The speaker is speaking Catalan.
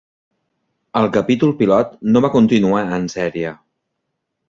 El capítol pilot no va continuar en sèrie.